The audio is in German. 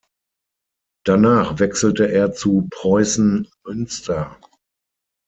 Danach wechselte er zu Preußen Münster.